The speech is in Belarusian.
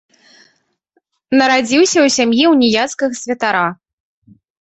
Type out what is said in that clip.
Нарадзіўся ў сям'і ўніяцкага святара.